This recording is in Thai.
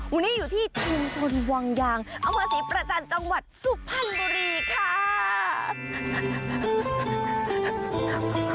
วันนี้อยู่ที่ชุมชนวังยางอำเภอศรีประจันทร์จังหวัดสุพรรณบุรีค่ะ